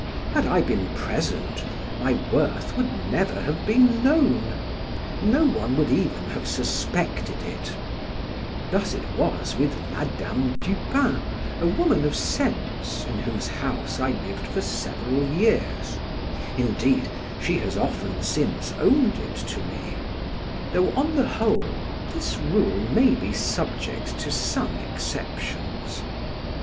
Had I been present, my worth would never have been known, no one would even have suspected it; thus it was with Madam Dupin, a woman of sense, in whose house I lived for several years; indeed, she has often since owned it to me: though on the whole this rule may be subject to some exceptions.